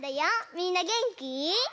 みんなげんき？